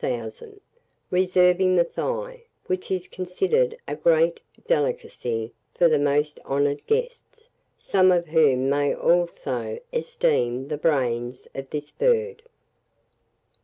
1000, reserving the thigh, which is considered a great delicacy, for the most honoured guests, some of whom may also esteem the brains of this bird.